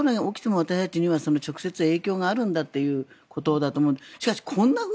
どこで起きても私たちには直接影響があるんだということだと思います。